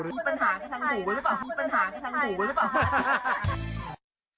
มีปัญหาที่สั่งสูงกว่าหรือเปล่า